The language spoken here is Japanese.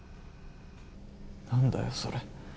何だよそれ。